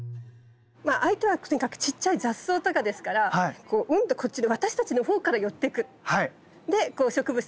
まあ相手はとにかくちっちゃい雑草とかですからうんとこっちで私たちの方から寄ってく。